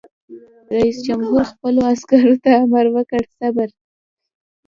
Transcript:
رئیس جمهور خپلو عسکرو ته امر وکړ؛ صبر!